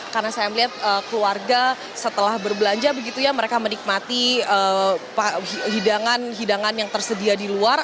karena saya melihat keluarga setelah berbelanja begitu ya mereka menikmati hidangan hidangan yang tersedia di luar